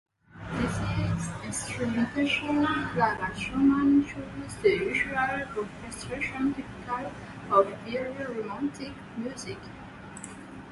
With this instrumentation Clara Schumann chose the usual orchestration typical of early Romantic music.